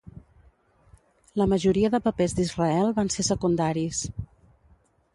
La majoria de papers d’Israel van ser secundaris.